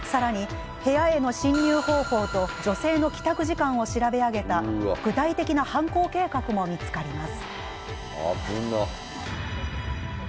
さらに、部屋への侵入方法と女性の帰宅時間を調べ上げた具体的な犯行計画も見つかります。